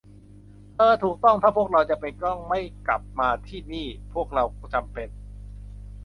เออ ถูกต้อง ถ้าพวกเราจำเป็นต้องไม่กลับมาที่นี่ พวกเราจำเป็น